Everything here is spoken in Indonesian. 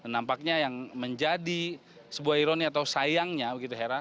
nampaknya yang menjadi sebuah ironi atau sayangnya begitu hera